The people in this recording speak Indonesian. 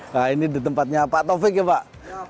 nah ini di tempatnya pak taufik ya pak